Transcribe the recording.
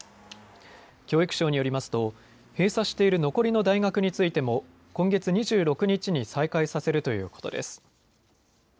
教育省によりますと、閉鎖している残りの大学についても今月２６日に再開させるということです。